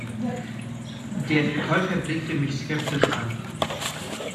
Der Verkäufer blickte mich skeptisch an.